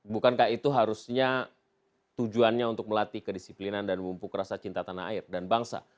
bukankah itu harusnya tujuannya untuk melatih kedisiplinan dan mumpuk rasa cinta tanah air dan bangsa